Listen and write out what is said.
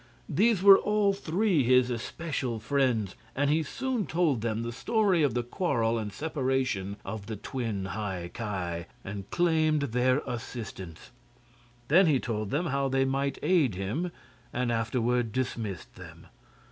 These were all three his especial friends, and he soon told them the story of the quarrel and separation of the twin High Ki, and claimed their assistance. Then he told them how they might aid him, and afterward dismissed them.